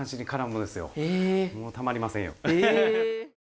もうたまりませんよ。